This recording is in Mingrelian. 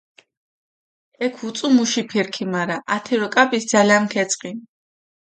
ექ უწუუ მუში ფირქი, მარა ათე როკაპისჷ ძალამქჷ ეწყინჷ.